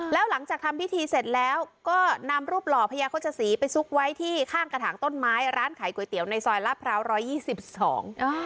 แล้วหลังจากทำพิธีเสร็จแล้วก็นำรูปหล่อพญาโฆษศรีไปซุกไว้ที่ข้างกระถางต้นไม้ร้านขายก๋วยเตี๋ยวในซอยลาดพร้าวร้อยยี่สิบสองอ่า